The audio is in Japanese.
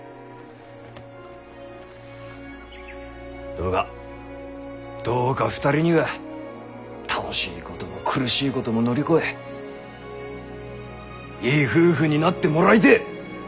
どうかどうか２人には楽しいことも苦しいことも乗り越えいい夫婦になってもらいてぇ。